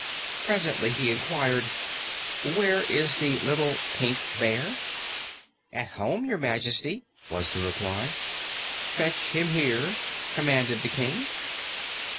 Presently he inquired, "Where is the Little Pink Bear?" "At home, Your Majesty," was the reply. "Fetch him here," commanded the King.